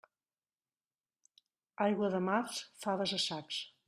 Aigua de març, faves a sacs.